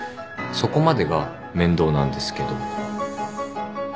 そこまでが面倒なんですけど。